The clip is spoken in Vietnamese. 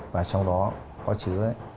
và trong đó có chứa